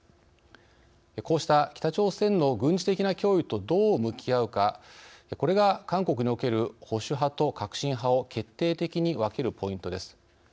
こうした北朝鮮の軍事的な脅威とどう向き合うかこれが韓国における保守派と革新派を決定的に分けるポイントです。